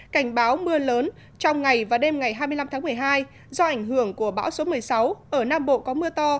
cảnh báo mưa lớn trong ngày và đêm ngày hai mươi năm tháng một mươi hai do ảnh hưởng của bão số một mươi sáu ở nam bộ có mưa to